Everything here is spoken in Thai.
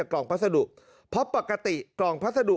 กล่องพัสดุเพราะปกติกล่องพัสดุ